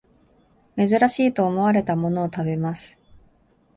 珍しいと思われたものを食べます